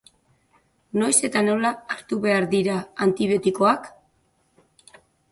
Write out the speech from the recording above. Noiz eta nola hartu behar dira antibiotikoak?